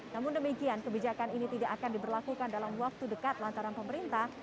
namun demikian kebijakan ini tidak akan diberlakukan dalam waktu dekat lantaran pemerintah